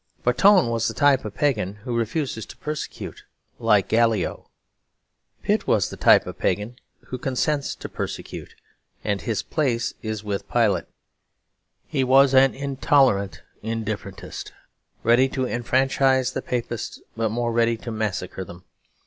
But Tone was the type of pagan who refuses to persecute, like Gallio: Pitt was the type of pagan who consents to persecute; and his place is with Pilate. He was an intolerant indifferentist; ready to enfranchise the Papists, but more ready to massacre them.